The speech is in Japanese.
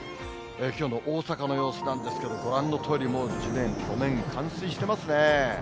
きょうの大阪の様子なんですけれども、ご覧のとおり、もう一面、路面、冠水してますね。